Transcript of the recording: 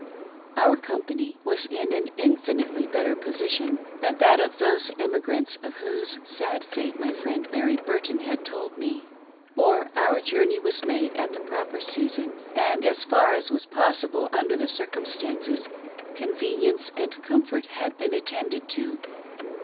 Our company was in an infinitely better position than that of those emigrEtnts of whose sad fate my friend Mary Burton had told me ; for our journey was made at the proper season, and as far as was possible under the circumstances, conven ience and comfort jiad been attended to.